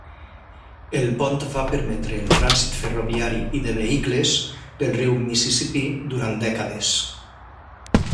El pont va permetre el trànsit ferroviari i de vehicles pel riu Mississipí durant dècades.